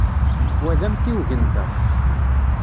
Wa d amtiweg-nteɣ.